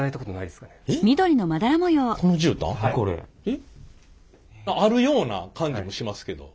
えっあるような感じもしますけど。